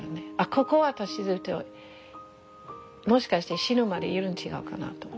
ここ私もしかして死ぬまでいるん違うかなと思った。